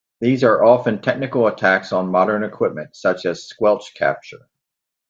These are often technical attacks on modern equipment, such as "squelch capture".